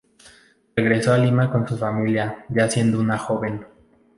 Regresó a Lima con su familia ya siendo una joven.